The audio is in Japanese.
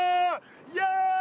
イエイ！